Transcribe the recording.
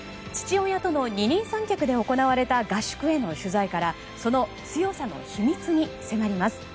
父親との二人三脚で行われた合宿での取材からその強さの秘密に迫ります。